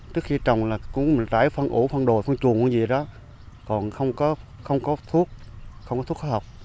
trước khi trồng là cũng mình trải phân ổ phân đồi phun chuồng không có gì đó còn không có thuốc không có thuốc khó học